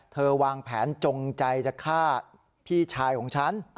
วางแผนจงใจจะฆ่าพี่ชายของฉัน